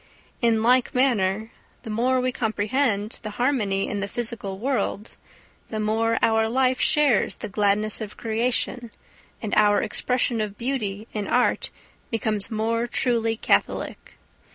In like manner the more we comprehend the harmony in the physical world the more our life shares the gladness of creation, and our expression of beauty in art becomes more truly catholic.